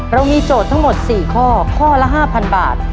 เรามีโจทย์ทั้งหมด๔ข้อข้อละ๕๐๐บาท